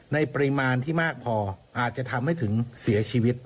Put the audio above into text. ในปริมาณที่มากพออาจจะทำให้ถึงเสียชีวิต